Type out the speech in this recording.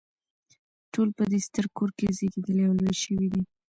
ټول په دې ستر کور کې زیږیدلي او لوی شوي دي.